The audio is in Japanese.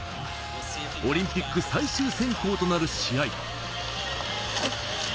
オリンピック最終選考となる試合。